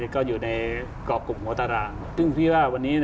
ก็อยู่ในกรอบกลุ่มหัวตารางซึ่งพี่ว่าวันนี้